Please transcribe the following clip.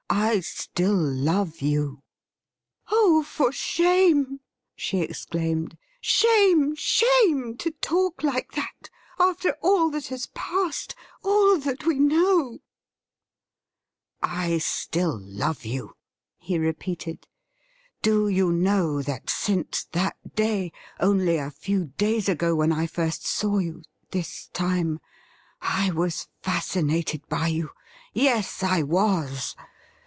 I still love you.' 'Oh, for shame!' she exclaimed. 'Shame — shame — to talk like that — after all that has passed — all that we know !' 'I still love you,' he repeated. 'Do you know that since that day — only a few days ago — when I first saw you — ^this time — I was fascinated by you ? Yes, I was